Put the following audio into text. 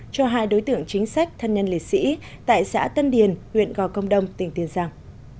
cho hai đối tượng chính sách thân nhân liệt sĩ tại xã tân điền huyện gò công đông tỉnh tiền giang